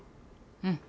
うん。